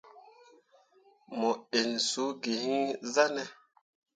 Mo inni suu gi iŋ yah ne.